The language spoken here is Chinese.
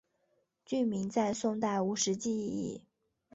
郡名在宋代无实际意义。